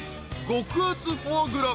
極厚フォアグラ。